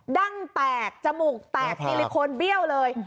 ดั้งแตกจมูกแตกซีลิโคนเบี้ยวเลย